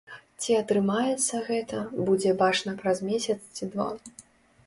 Ці атрымаецца гэта, будзе бачна праз месяц ці два.